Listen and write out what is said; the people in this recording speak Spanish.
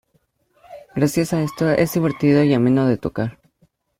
Gracias a esto, es divertido y ameno de tocar.